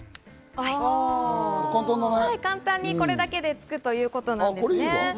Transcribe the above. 簡単にこれだけでつくということなんです。